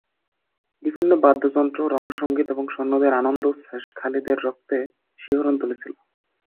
বিভিন্ন বাদ্য-যন্ত্র, রণ-সঙ্গীত এবং সৈন্যদের আনন্দ-উচ্ছ্বাস খালিদের রক্তে শিহরণ তুলছিল।